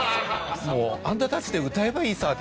もうあんたたちで歌えばいいさって言われました。